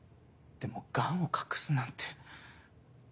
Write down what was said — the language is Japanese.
でもガンを隠すなんて。